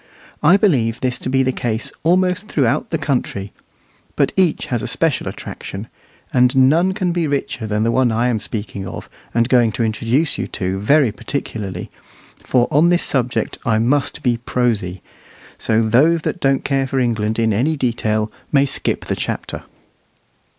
I believe this to be the case almost throughout the country, but each has a special attraction, and none can be richer than the one I am speaking of and going to introduce you to very particularly, for on this subject I must be prosy; so those that don't care for England in detail may skip the chapter.